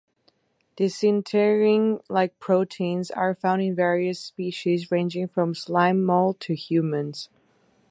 Disintegrin-like proteins are found in various species ranging from slime mold to humans.